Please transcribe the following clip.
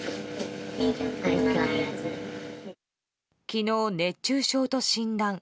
昨日、熱中症と診断。